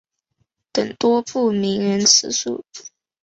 等多部名人辞书。